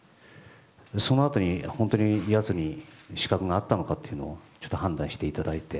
そのあとに本当にあいつに資格があったのかどうかというのを判断していただいて。